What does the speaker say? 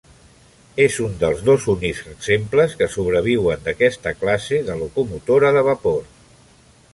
És un dels dos únics exemples que sobreviuen d'aquesta classe de locomotora de vapor.